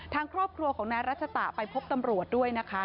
ทางครอบครัวของนายรัชตะไปพบตำรวจด้วยนะคะ